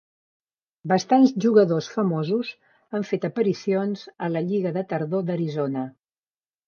Bastants jugadors famosos han fet aparicions a la Lliga de Tardor d'Arizona.